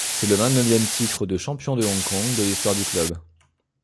C'est le vingt-neuvième titre de champion de Hong Kong de l'histoire du club.